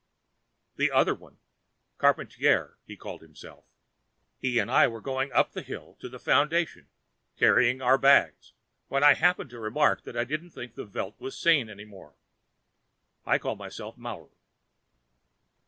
The other one Charpantier, he called himself he and I were going back up the hill to the Foundation, carrying our bags, when I happened to remark I didn't think the Veld was sane anymore. (I call myself Maurer.)